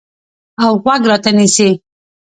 اوغوږ راته نیسي